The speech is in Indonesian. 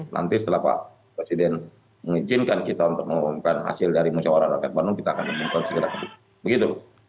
nanti setelah pak presiden mengizinkan kita untuk mengumumkan hasil dari musyawarah rakyat bandung kita akan minta segera begitu